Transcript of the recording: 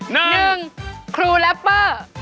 นั่นนึงครูแรปเปอร์